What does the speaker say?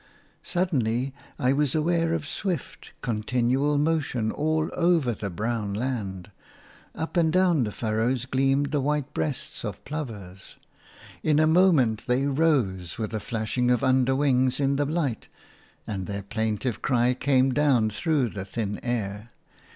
Suddenly I was aware of swift, continual motion all over the brown land; up and down the furrows gleamed the white breasts of plovers. In a moment they rose with a flashing of underwings in the light, and their plaintive cry came down through the thin air.